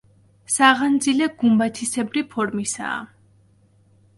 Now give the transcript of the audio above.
საღანძილე გუმბათისებრი ფორმისაა.